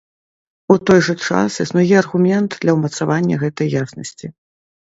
У той жа час існуе аргумент для ўмацавання гэтай яснасці.